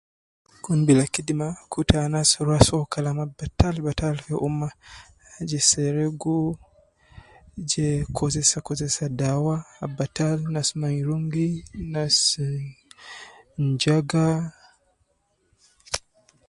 Kun bila kidima kutu anas rua soo kalama batal batal fi umma je seregu, je kozesa kozesa dawa ab batal je nas mairungi nasi njaga